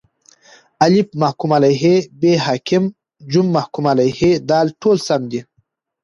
الف: محکوم علیه ب: حاکم ج: محکوم علیه د: ټوله سم دي